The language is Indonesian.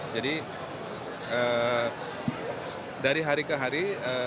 jadi dari hari ke hari